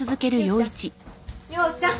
陽ちゃん。